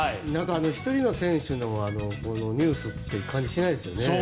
１人の選手のニュースっていう感じがしないですよね。